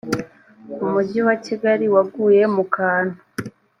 umugi wa kigali waguye mu kantu